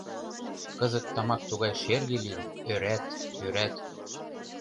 Кызыт тамак тугай шерге лийын — ӧрат, ӧрат...